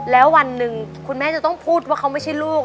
แล้ววันหนึ่งคุณแม่จะต้องพูดว่าเขาไม่ใช่ลูก